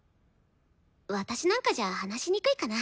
私なんかじゃ話しにくいかな？